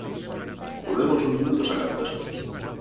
Volvemos nuns minutos a Caldas.